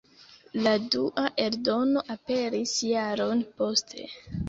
La dua eldono aperis jaron poste.